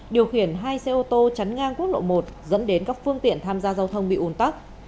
điều khiển hai xe ô tô chắn ngang quốc lộ một dẫn đến các phương tiện tham gia giao thông bị ủn tắc